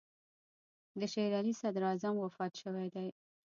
د شېر علي صدراعظم وفات شوی دی.